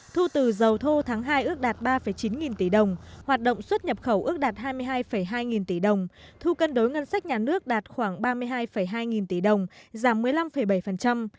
thu từ dầu thô tháng hai ước đạt ba chín nghìn tỷ đồng hoạt động xuất nhập khẩu ước đạt hai mươi hai hai nghìn tỷ đồng thu cân đối ngân sách nhà nước đạt khoảng ba mươi hai hai nghìn tỷ đồng giảm một mươi năm bảy